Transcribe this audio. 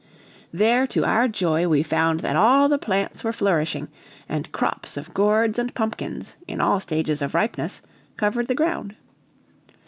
There to our joy we found that all the plants were flourishing, and crops of gourds and pumpkins, in all stages of ripeness, covered the ground.